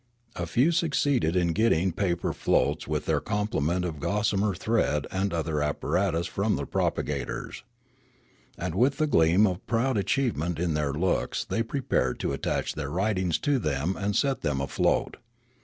A few succeeded in getting paper floats with their complement of gossamer thread and other apparatus from the propagators. And with the gleam of proud achievement in their looks they prepared to attach their writings to them and set them afloat.